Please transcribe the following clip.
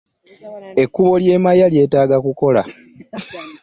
Ekkubo ly'e Maya lyetaaga kukola.